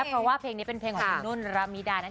เพราะว่าแหละชอบคนไวคาวแพะ